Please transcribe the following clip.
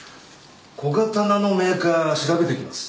小刀のメーカー調べてきます。